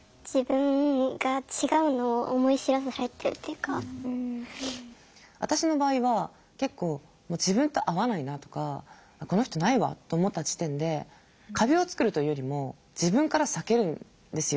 何か私の場合は結構もう自分と合わないなとかこの人ないわと思った時点で壁を作るというよりも自分から避けるんですよ。